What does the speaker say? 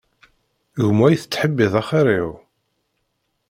Gma i tettḥibbiḍ axir-iw?